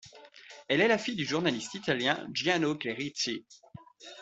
Elle est la fille du journaliste italien Gianni Clerici.